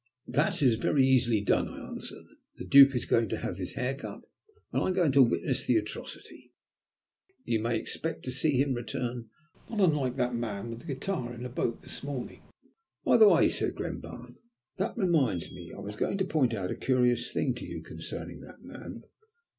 "That is very easily done," I answered; "the Duke is going to have his hair cut, and I am going to witness the atrocity. You may expect to see him return not unlike that man with the guitar in the boat this morning." "By the way," said Glenbarth, "that reminds me that I was going to point out a curious thing to you concerning that man.